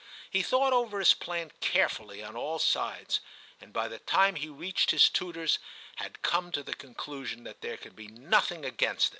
He thought over his plan carefully on all sides, and by the time he reached his tutor's, had come to the conclusion that there could be nothing against it.